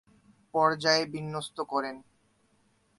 পর্যায়ে বিন্যস্ত করেন।